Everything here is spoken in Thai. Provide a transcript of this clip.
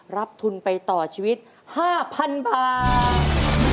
รับทุนไปต่อชีวิต๕๐๐๐บาท